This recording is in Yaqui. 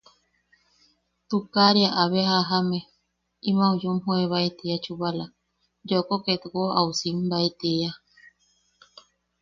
Tukaria abe a jajame, im au yumjoebae tiia chubala, yooko ket jakko au simbae tiia.